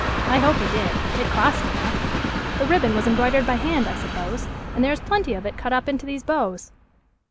I hope he did. It cost enough. The ribbon was embroidered by hand, I suppose. And there is plenty of it cut up into these bows."